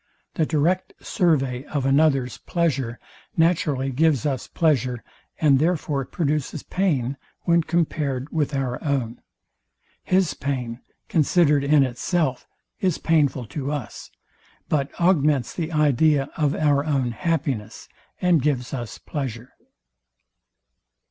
The direct survey of another's pleasure naturally gives us pleasure, and therefore produces pain when compared with our own. His pain, considered in itself, is painful to us, but augments the idea of our own happiness, and gives us pleasure.